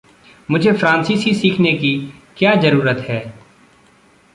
मुझे फ़्रांसीसी सीखने की क्या ज़रूरत है?